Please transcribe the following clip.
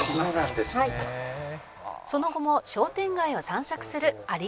「その後も商店街を散策する有吉さん」